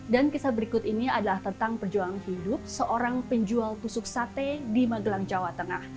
dan kisah berikut ini adalah tentang perjuangan hidup seorang penjual pusuk sate di magelang jawa tengah